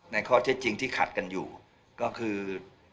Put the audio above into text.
ในข้อเท็จจริงที่ขัดกันอยู่ก็คือ